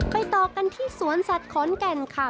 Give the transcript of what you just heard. ต่อกันที่สวนสัตว์ขอนแก่นค่ะ